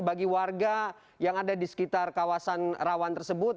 bagi warga yang ada di sekitar kawasan rawan tersebut